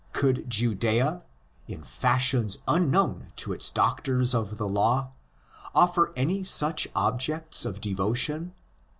Could Judea, in fashions unknown to its doctors of the law, offer any such objects of devotion?